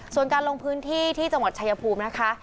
ส่วนการลงพื้นที่ที่จังหวัดชายภูมินะคะ